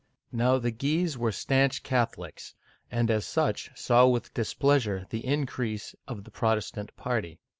Now the Guises were stanch Catholics, and as such saw with displeasure the increase of the Protestant party.